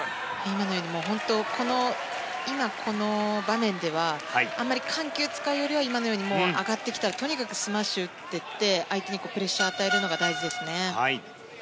今この場面ではあまり緩急を使うよりは今のように、上がってきたらとにかくスマッシュを打って相手にプレッシャーを与えるのが大事ですね。